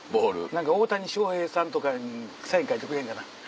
何か大谷翔平さんとかサイン書いてくれへんかな。